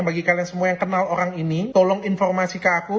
bagi kalian semua yang kenal orang ini tolong informasi ke aku